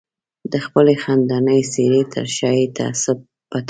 د خپلې خندانې څېرې تر شا یې تعصب پټول.